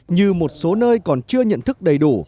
như một số nơi còn chưa nhận thức đầy đủ